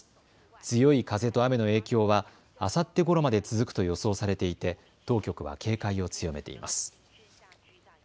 強い風と雨の影響はあさってごろまで続くと予想されていて当局は警戒を強めています。